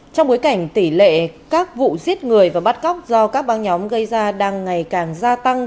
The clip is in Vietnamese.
trong bối cảnh tỷ lệ các vụ giết người và bắt cóc do các băng nhóm gây ra đang ngày càng gia tăng